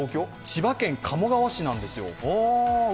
千葉県鴨川市なんですよ。